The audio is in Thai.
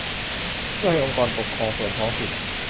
เพื่อให้องค์กรปกครองส่วนท้องถิ่น